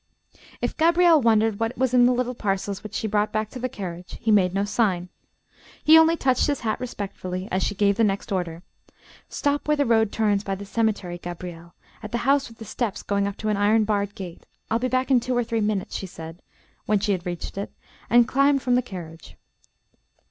If Gabriel wondered what was in the little parcels which she brought back to the carriage, he made no sign. He only touched his hat respectfully, as she gave the next order: "Stop where the road turns by the cemetery, Gabriel; at the house with the steps going up to an iron barred gate. I'll be back in two or three minutes," she said, when she had reached it, and climbed from the carriage.